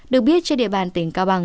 được biết trên địa bàn tỉnh cao bằng